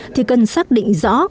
thì cần xác định rõ